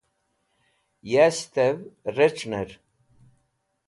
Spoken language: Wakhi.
yasht'ev rec̃hn'er